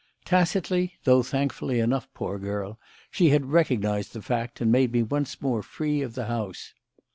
Tacitly though thankfully enough, poor girl! she had recognised the fact and made me once more free of the house.